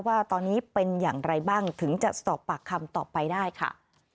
ว่าตอนนี้เป็นอย่างไรบ้างถึงจะสอบปากคำต่อไปได้ค่ะ